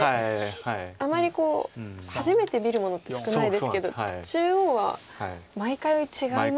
あまり初めて見るものって少ないですけど中央は毎回違いますからね。